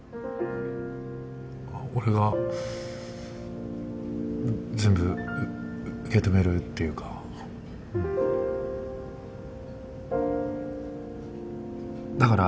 あっ俺が全部う受け止めるっていうかうん。